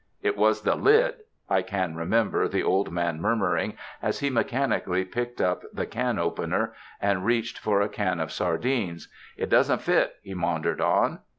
"It was the lid," I can remember the old man murmuring, as he mechanically picked up the can opener and reached for a tin of sardines. "It doesn't fit," he maundered on.